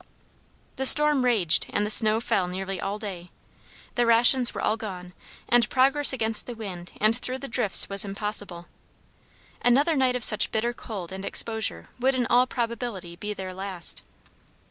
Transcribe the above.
The storm raged and the snow fell nearly all day. The rations were all gone, and progress against the wind and through the drifts was impossible. Another night of such bitter cold and exposure would in all probability be their last.